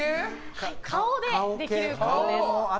顔でできることです。